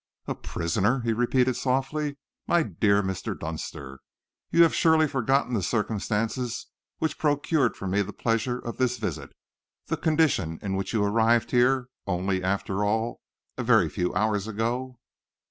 "A prisoner," he repeated softly. "My dear Mr. Dunster, you have surely forgotten the circumstances which procured for me the pleasure of this visit; the condition in which you arrived here only, after all, a very few hours ago?"